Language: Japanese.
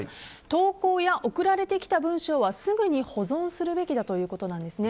投稿や送られてきた文章はすぐに保存するべきだということなんですね。